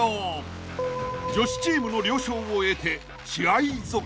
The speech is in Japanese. ［女子チームの了承を得て］